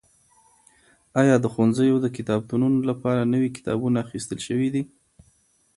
ایا د ښوونځیو د کتابتونونو لپاره نوي کتابونه اخیستل شوي دي؟